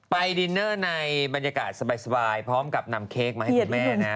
ไปดินเนอร์ในบรรยากาศสบายพร้อมกับนำเค้กมาให้คุณแม่นะ